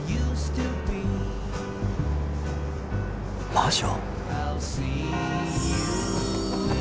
魔女？